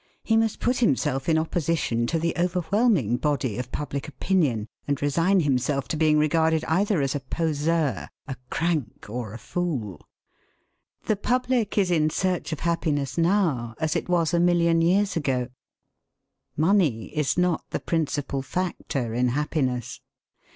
He must put himself in opposition to the overwhelming body of public opinion, and resign himself to being regarded either as a poseur, a crank, or a fool. The public is in search of happiness now, as it was a million years ago. Money is not the principal factor in happiness.